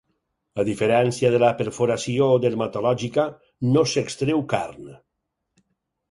A diferència de la perforació dermatològica, no s'extreu carn.